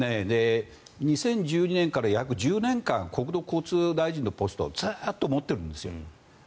２０１２年から約１０年間国土交通大臣のポストをずっと持っているんですよ。